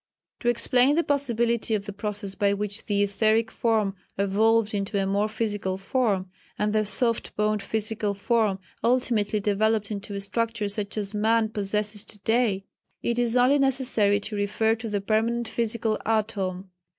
To explain the possibility of the process by which the etheric form evolved into a more physical form, and the soft boned physical form ultimately developed into a structure such as man possesses to day, it is only necessary to refer to the permanent physical atom.